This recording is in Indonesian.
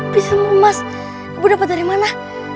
biji timun emas bu dapat dari mana